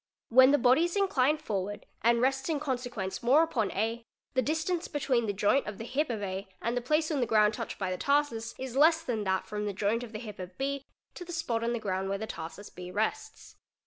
When the body _ is inclined forward and rests in consequence more upon A, the distance _ between the joint of the hip of A and the place on the ground touched by the tarsus is less than that from the joint of the hip of B to the spot on . the ground where the tarsus B rests.